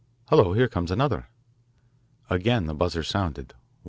Hello, here comes another." Again the buzzer sounded.